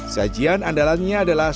sajian andalannya adalah